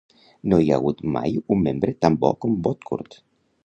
No hi ha hagut mai un membre tan bo com Woodcourt.